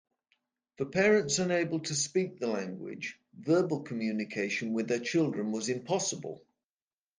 For parents unable to speak the language, verbal communication with their children was impossible.